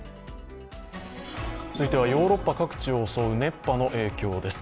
続いてはヨーロッパ各地を襲う熱波の影響です。